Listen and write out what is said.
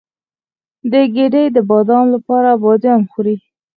د ګیډې د باد لپاره بادیان وخورئ